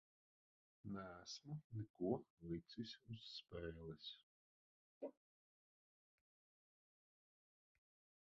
Neesmu neko licis uz spēles.